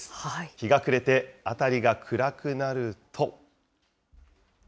日が暮れて、辺りが暗くなると。